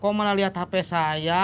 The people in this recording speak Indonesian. kok malah lihat hp saya